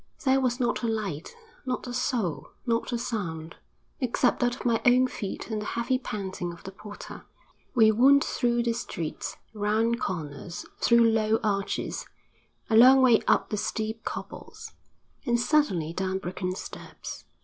There was not a light, not a soul, not a sound except that of my own feet and the heavy panting of the porter. We wound through the streets, round corners, through low arches, a long way up the steep cobbles, and suddenly down broken steps.